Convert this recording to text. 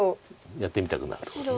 やってみたくなるとこだ。